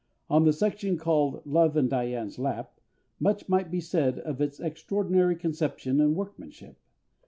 On the section called Love in Dian's Lap, much might be said of its extraordinary conception and workmanship.